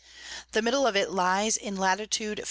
The middle of it lies in Latitude 51.